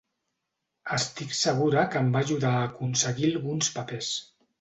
Estic segura que em va ajudar a aconseguir alguns papers.